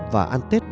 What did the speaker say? và ăn tết tốt đẹp